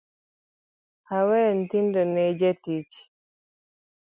Oweyo nyithindo ne jatich.